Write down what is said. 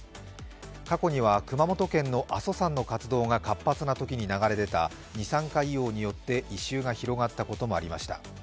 過去には熊本県の阿蘇山の活動が活発なときに流れ出た二酸化硫黄によって異臭が広がったこともありました。